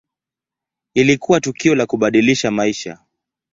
Ilikuwa tukio la kubadilisha maisha.